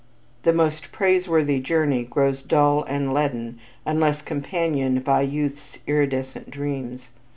The most praiseworthy journey grows dull and leaden unless companioned by youth's iridescent dreams.